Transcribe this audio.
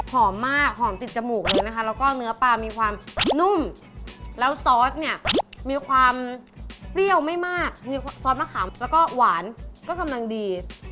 หอมมากหอมติดจมูกเลยนะคะแล้วก็เนื้อปลามีความนุ่มแล้วซอสเนี่ยมีความเปรี้ยวไม่มากมีซอสมะขามแล้วก็หวานก็กำลังดี